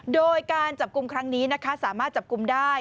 โดยการจับกลุ่มครั้งนี้นะคะสามารถจับกลุ่มได้